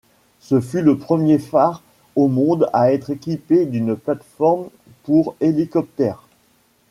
Ce fut le premier phare au monde à être équipé d'une plate-forme pour hélicoptères.